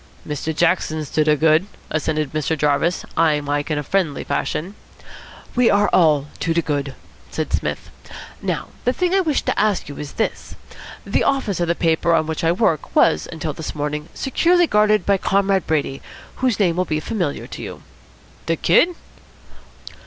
"Mr. Jackson's to de good," assented Mr. Jarvis, eyeing Mike in friendly fashion. "We are all to de good," said Psmith. "Now the thing I wished to ask you is this. The office of the paper on which I work was until this morning securely guarded by Comrade Brady, whose name will be familiar to you." "De Kid?"